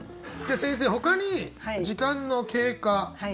先生ほかに時間の経過